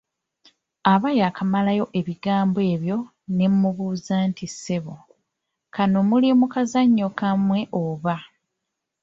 Aba yaakamalayo ebigambo ebyo ne mmubuuza nti ssebo, kano muli mu kazannyo kammwe oba?